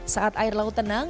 saat air laut tenang